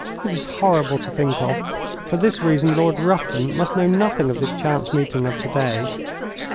It is horrible to think of. For this reason Lord Rufton must know nothing of this chance meeting of to day."